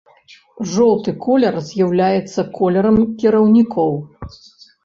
Жоўты колер з'яўляецца колерам кіраўнікоў.